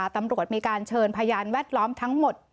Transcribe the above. ตำรวจมีการเชิญพยานแวดล้อมทั้งหมด